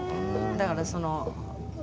だからその。